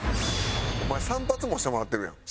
お前散髪もしてもらってるやん。